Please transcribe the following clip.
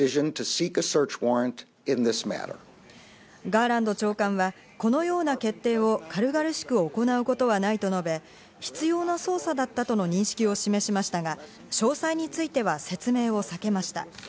ガーランド長官は、このような決定を軽々しく行うことはないと述べ、必要な捜査だったとの認識を示しましたが、詳細については説明を避けました。